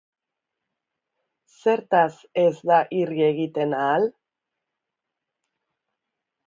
Zertaz ez da irri egiten ahal?